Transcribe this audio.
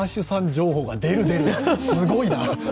情報が出る出る、すごいな。